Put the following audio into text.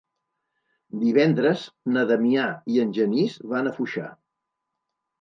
Divendres na Damià i en Genís van a Foixà.